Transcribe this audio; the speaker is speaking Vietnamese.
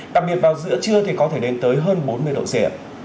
đặc biệt vào giữa trưa thì có thể lên tới hơn bốn mươi độ c ạ